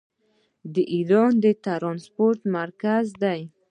ایران د ټرانسپورټ مرکز دی.